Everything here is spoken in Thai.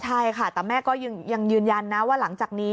ใช่ค่ะแต่แม่ก็ยังยืนยันนะว่าหลังจากนี้